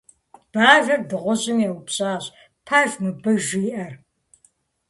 Бажэр дыгъужьым еупщӏащ: - Пэж мыбы жиӏэр?